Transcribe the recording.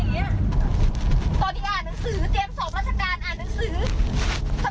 คุยกันไม่รู้เรื่องก็ขอกันอย่างนี้แหละ